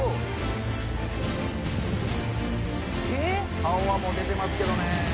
顔はもう出てますけどね